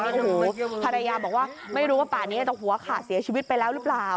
โอ้โหภรรยาบอกว่าไม่รู้ว่าป่านี้อาจจะหัวขาดเสียชีวิตไปแล้วหรือเปล่า